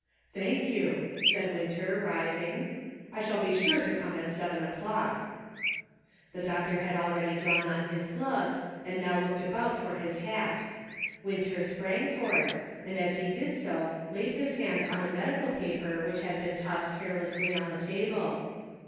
"Thank you," said Winter, rising ; "I shall be sure to come at seven o'clock." The doctor had already drawn on his gloves and now looked about for his hat. Winter sprang for it, and as he did so, laid his hand on a medical newspaper which had been tossed carelessly on the table.